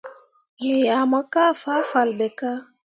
Me yah mo kah fahfalle ɓe kah.